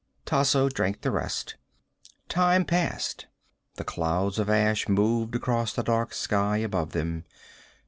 Tasso drank the rest. Time passed. The clouds of ash moved across the dark sky above them.